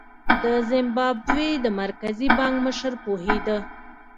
د زیمبابوې د مرکزي بانک مشر پوهېده.